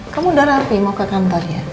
kamu udah rapi mau ke kantornya